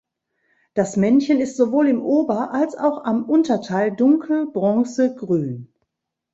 Das Männchen ist sowohl im Ober- als auch am Unterteil dunkel bronze-grün.